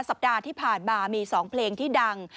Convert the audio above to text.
สัปดาห์ที่ผ่านมามี๒เพลงที่ดัง